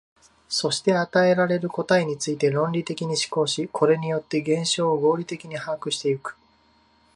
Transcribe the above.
そして与えられる答えについて論理的に思考し、これによって現象を合理的に把握してゆく。